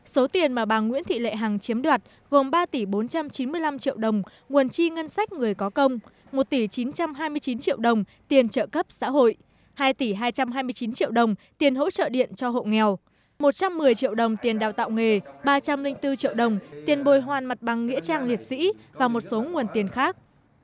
số tiền mà bà nguyễn thị lệ hằng chiếm đoạt gồm ba tỷ bốn trăm chín mươi năm triệu đồng nguồn chi ngân sách người có công một tỷ chín trăm hai mươi chín triệu đồng tiền trợ cấp xã hội hai tỷ hai trăm hai mươi chín triệu đồng tiền hỗ trợ điện cho hộ nghèo một trăm một mươi triệu đồng tiền đào tạo nghề ba trăm linh bốn triệu đồng tiền bồi hoàn mặt bằng nghĩa trang nghiệp sĩ và một số nguồn tiền khác